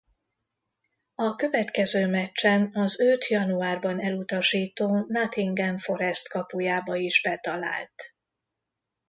A következő meccsen az őt januárban elutasító Nottingham Forest kapujába is betalált.